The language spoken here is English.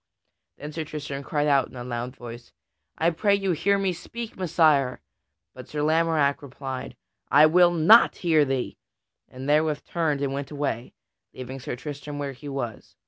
Then Sir Tristram cried out in a loud voice, "I pray you, hear me speak, Messire!" But Sir Lamorack replied, "I will not hear thee!" and therewith turned and went away, leaving Sir Tristram where he was.